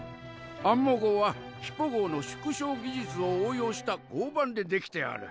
アンモ号はヒポ号の縮小技術を応用した合板で出来ておる。